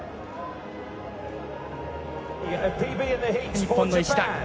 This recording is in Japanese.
日本の石田。